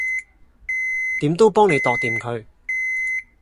點都幫你度掂佢